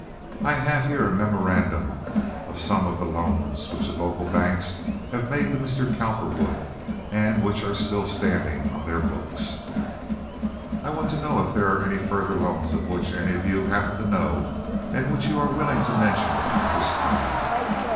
I have here a memorandum of some of the loans which the local banks have made to Mr. Cowperwood and which are still standing on their books. I want to know if there are any further loans of which any of you happen to know and which you are willing to mention at this time."